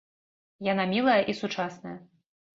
Яна мілая і сучасная.